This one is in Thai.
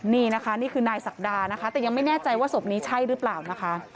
นี่นะคะนี่คือนายศักดานะคะแต่ยังไม่แน่ใจว่าศพนี้ใช่หรือเปล่านะคะ